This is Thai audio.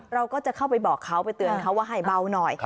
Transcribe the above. เราก็จะเข้าไปบอกเขาไปเตือนเขาว่าให้เบาหน่อย